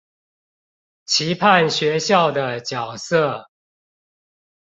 期盼學校的角色